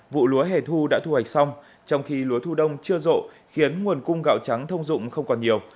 vụ lúa hẻ thu đã thu hoạch xong trong khi lúa thu đông chưa rộ khiến nguồn cung gạo trắng thông dụng không còn nhiều